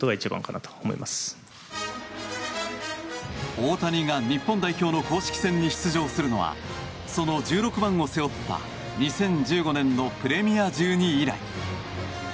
大谷が日本代表の公式戦に出場するのはその１６番を背負った２０１５年のプレミア１２以来。